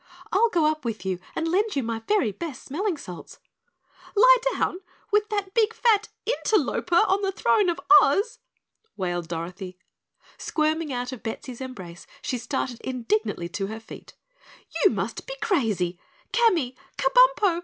"I'll go up with you and lend you my very best smelling salts." "Lie down with that big fat interloper on the throne of Oz!" wailed Dorothy. Squirming out of Bettsy's embrace, she started indignantly to her feet. "You must be crazy! Camy! Kabumpo!